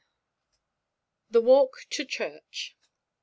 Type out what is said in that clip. THE WALK TO CHURCH.